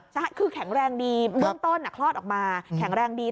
ใช่คือแข็งแรงดีเบื้องต้นคลอดออกมาแข็งแรงดี